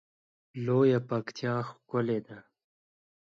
لویه پکتیا ښکلی ده